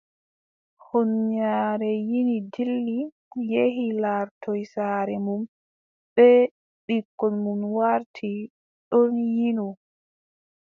Huunyaare yini dilli yehi laartoy saare mum bee ɓikkon mum warti ɗon yino.